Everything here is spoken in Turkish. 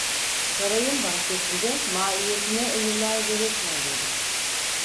Sarayın bahçesinde maiyetine emirler verirken duydum…